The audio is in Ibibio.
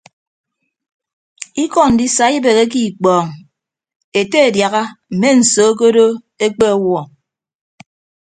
Ikọ ndisa ibeheke ikpọñ ete adiaha mme nsoo ke odo ekpewuọ.